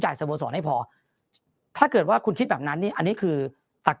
สโมสรให้พอถ้าเกิดว่าคุณคิดแบบนั้นนี่อันนี้คือตัก